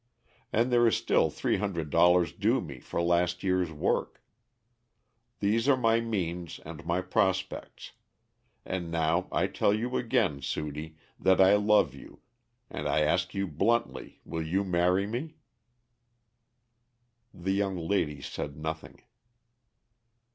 And there is still three hundred dollars due me for last year's work. These are my means and my prospects, and now I tell you again, Sudie, that I love you, and I ask you bluntly will you marry me?" The young lady said nothing.